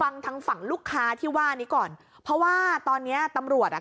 ฟังทางฝั่งลูกค้าที่ว่านี้ก่อนเพราะว่าตอนเนี้ยตำรวจอ่ะ